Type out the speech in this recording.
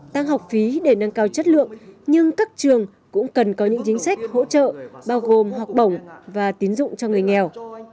tăng học phí để nâng cao chất lượng nhưng các trường cũng cần có những chính sách hỗ trợ bao gồm học bổng và tín dụng cho người nghèo